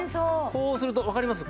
こうするとわかります？